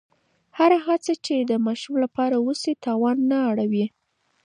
هره هڅه چې د ماشوم لپاره وشي، تاوان نه اړوي.